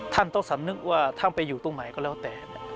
ท่านต้องสำนึกว่าท่านไปอยู่ตรงไหนก็แล้วแต่